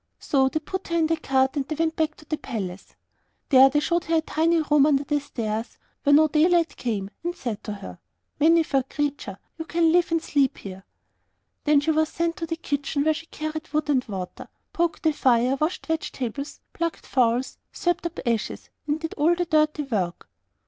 So they put her in the cart and they went back to the palace. There they showed her a tiny room under the stairs, where no daylight came, and said to her, 'Many furred Creature, you can live and sleep here.' Then she was sent into the kitchen, where she carried wood and water, poked the fire, washed vegetables, plucked fowls, swept up the ashes, and did all the dirty work.